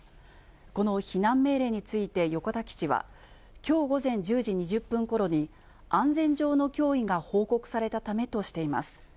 この避難命令について横田基地は、きょう午前１０時２０分ころに、安全上の脅威が報告されたためとしています。